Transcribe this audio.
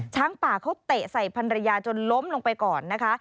ช้างป่าเขาเตะใส่พันรยาจนล้มลงไปก่อนนะคะ